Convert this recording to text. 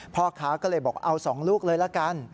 พ่อค้าก็เลยบอกเอา๒ลูกเลยละกัน